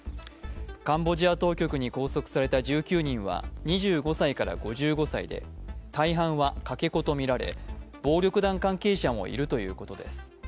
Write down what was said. カンボジア当局に拘束された１９人は、２５歳から５５歳で、大半はかけ子とみられ、暴力団関係者もいるということです。